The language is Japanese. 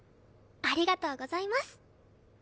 ありがとうございます。